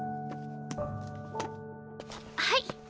はい！